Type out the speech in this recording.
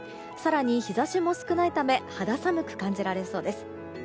更に日差しも少ないため肌寒く感じられそうです。